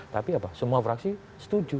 tapi apa semua fraksi setuju